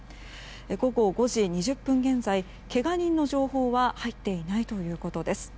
午後５時２０分現在けが人の情報は入っていないということです。